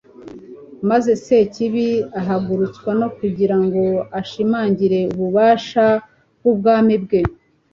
maze sekibi ahagurutswa no kugira ngo ashimangire ububasha bw'ubwami bwe.